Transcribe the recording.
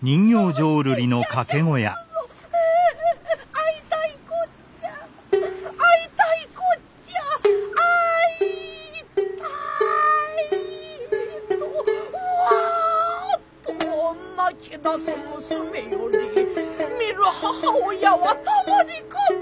会いたいこっちゃ会いたいこっちゃ会いたい」とわっと泣きだす娘より見る母親はたまりかね。